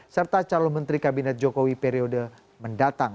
serta calon menteri kabinet jokowi periode mendatang